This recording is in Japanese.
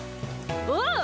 おう。